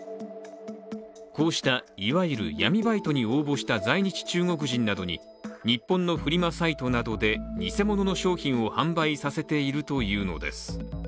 こうした、いわゆる闇バイトに応募した在日中国人などに日本のフリマサイトなどで偽物の商品を販売させているというのです。